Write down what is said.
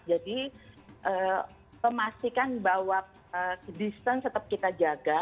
jadi memastikan bahwa distance tetap kita jaga